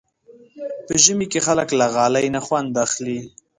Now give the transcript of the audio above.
په ژمي کې خلک له غالۍ نه خوند اخلي.